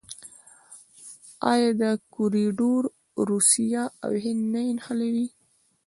آیا دا کوریډور روسیه او هند نه نښلوي؟